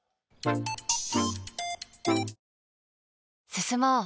進もう。